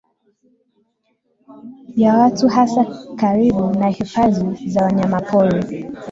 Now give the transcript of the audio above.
ya watu hasa karibu na hifadhi za wanyamapori